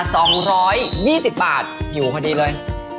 สองร้อยยี่สิบบาทอยู่พอดีเลย